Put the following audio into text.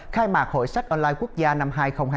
khai mạc hội sách online quốc gia năm hai nghìn hai mươi bốn